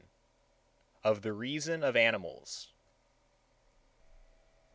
OF THE REASON OF ANIMALS.